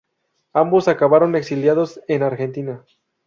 Ambos acabaron exiliados en Argentina.